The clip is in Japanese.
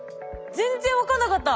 全然分かんなかった。